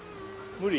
無理？